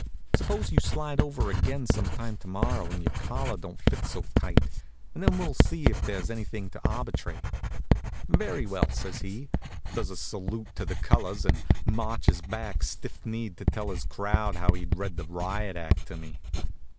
Suppose you slide over again some time to morrow, when your collar don't fit so tight, and then we'll see if there's anything to arbitrate." "Very well," says he, does a salute to the colors, and marches back stiff kneed to tell his crowd how he'd read the riot act to me.